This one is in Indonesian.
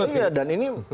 iya dan ini